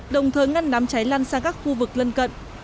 đồng thời ngăn đám cháy lan sang các khu vực lân cận